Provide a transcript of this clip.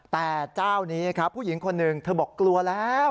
แต่เจ้านี้ครับผู้หญิงคนหนึ่งเธอบอกกลัวแล้ว